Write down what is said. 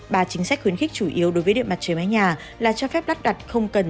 ba chính sách khuyến khích chủ yếu đối với điện mặt trời mái nhà là cho phép đắt đặt không cần